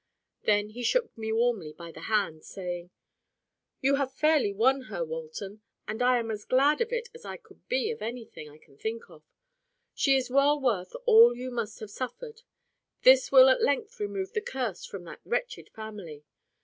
Then he shook me warmly by the hand, saying— "You have fairly won her, Walton, and I am as glad of it as I could be of anything I can think of. She is well worth all you must have suffered. This will at length remove the curse from that wretched family.